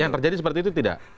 yang terjadi seperti itu tidak